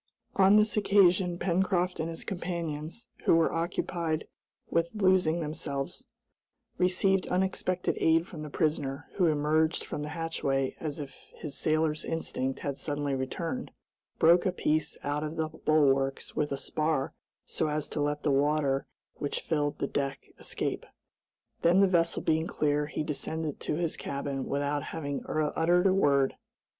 On this occasion Pencroft and his companions, who were occupied with loosing themselves, received unexpected aid from the prisoner, who emerged from the hatchway as if his sailor's instinct had suddenly returned, broke a piece out of the bulwarks with a spar so as to let the water which filled the deck escape. Then the vessel being clear, he descended to his cabin without having uttered a word.